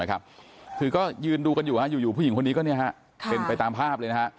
คือก็ยืนดูกันอยู่อยู่ผู้หญิงคนนี้ก็เป็นไปตามภาพเลยนะฮะ